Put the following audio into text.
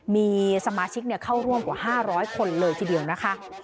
มีสมาชิกเข้าร่วมกว่า๕๐๐คนเลยทีเดียวนะคะ